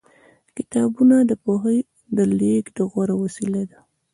کتابونه د پوهې د لېږد غوره وسیله ده.